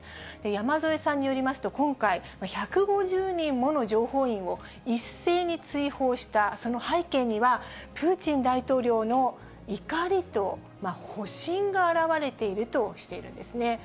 山添さんによりますと、今回、１５０人もの情報員を一斉に追放した、その背景には、プーチン大統領の怒りと保身が表れているとしているんですね。